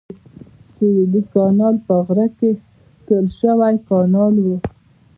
سویلي کانال په غره کې کښل شوی کانال و.